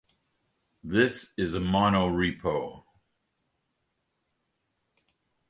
This is a monorepo